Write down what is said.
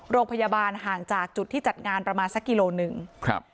โรงพยาบาลห่างจากจุดที่จัดงานประมาณสักกิโลหนึ่งครับ